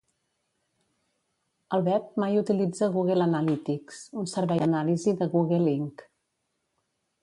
El web mai utilitza Google Analytics, un servei d'anàlisi de Google, Inc.